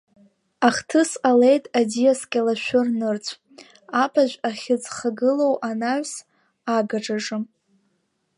Ахҭыс ҟалеит аӡиас Кьалашәыр нырцә, абаажә ахьыӡхгылоу анаҩс, агаҿаҿы.